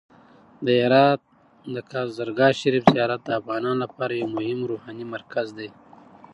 د هرات د کازرګاه شریف زیارت د افغانانو لپاره یو مهم روحاني مرکز دی.